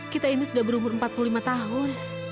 kita ini sudah berumur empat puluh lima tahun